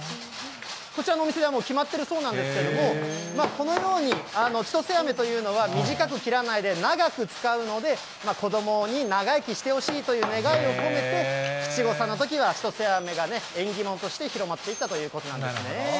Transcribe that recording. こちらのお店ではもう決まっているそうなんですけれども、このように、ちとせあめというのは、短く切らないで、長く使うので、子どもに長生きしてほしいという願いを込めて、七五三のときはちとせあめが縁起物として広まっていったということなんですね。